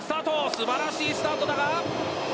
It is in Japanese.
素晴らしいスタートだが。